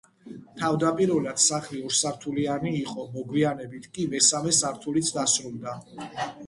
თავდაპირველად, სახლი ორსართულიანი იყო, მოგვიანებით კი მესამე სართულიც დასრულდა.